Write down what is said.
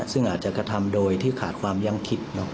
ซึ่งอาจจะกระทำโดยที่ขาดความยังคิด